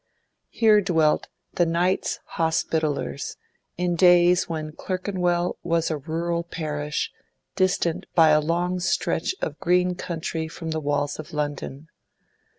Here dwelt the Knights Hospitallers, in days when Clerkenwell was a rural parish, distant by a long stretch of green country from the walls of London.